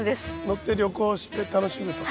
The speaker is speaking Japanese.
乗って旅行して楽しむと。